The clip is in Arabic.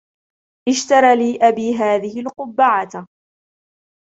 اشترى لي أبي هذه القبعة.